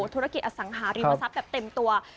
ธุรกิจอสังหาริมทรัพย์แบบเต็มตัว